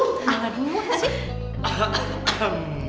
gak ada yang muat sih